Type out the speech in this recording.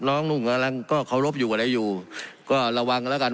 น้องนู้นกำลังก็เคารพอยู่กับใดอยู่ก็ระวังกันแล้วกัน